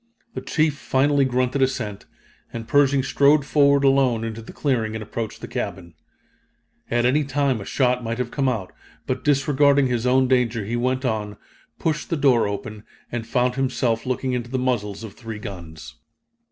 The chief finally grunted assent, and Pershing strode forward alone into the clearing and approached the cabin. At any time a shot might have come out, but disregarding his own danger he went on, pushed open the door, and found himself looking into the muzzles of three guns.